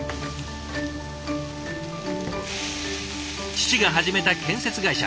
父が始めた建設会社。